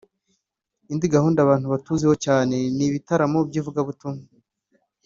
Indi gahunda abantu batuziho cyane ni ibitaramo by’ivugabutumwa